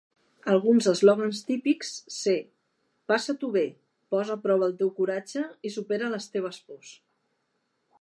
Alguns eslògans típics ser: passa-t'ho bé, posa a prova el teu coratge i supera les teves pors.